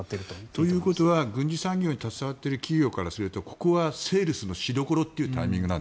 ということは軍事産業に携わっている企業からするとここはセールスのしどころと。